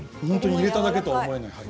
入れただけとは思えない。